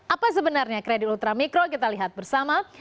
apa sebenarnya kredit ultramikro kita lihat bersama